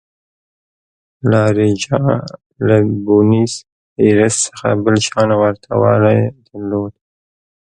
لا رایجا له بونیس ایرس څخه بل شان ورته والی درلود.